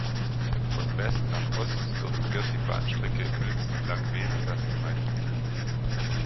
Von West nach Ost durchquert die Bahnstrecke Uelzen–Langwedel das Gemeindegebiet.